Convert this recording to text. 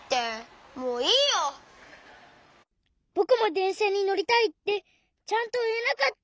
「ぼくもでんしゃにのりたい」ってちゃんといえなかった。